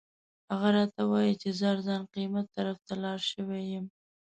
هغه راته وایي چې زه ارزان قیمت طرف ته لاړ شوی یم.